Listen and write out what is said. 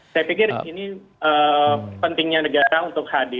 saya pikir ini pentingnya negara untuk hadiah hidup